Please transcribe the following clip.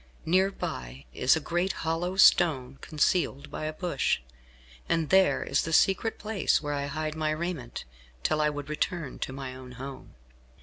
Near by is a great hollow stone, concealed by a bush, and there is the secret place where I hide my raiment, till I would return to my own home."